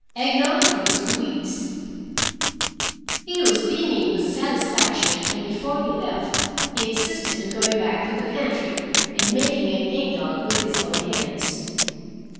Egg nog for Miss Louise." He was beaming with satisfaction, and before he left, he insisted on going back to the pantry and making an egg nog with his own hands.